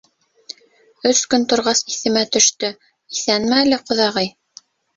Өс көн торғас иҫемә төштө, иҫәнме әле, ҡоҙағый?